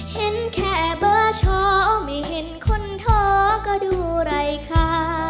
เห็นแค่เบอร์ช้อไม่เห็นคนท้อก็ดูไรค่ะ